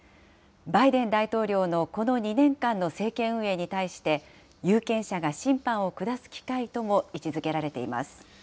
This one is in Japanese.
バイデン大統領のこの２年間の政権運営に対して、有権者が審判を下す機会とも位置づけられています。